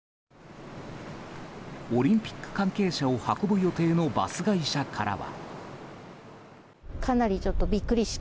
オリンピック関係者を運ぶ予定のバス会社からは。